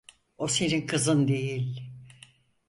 O senin kızın değil.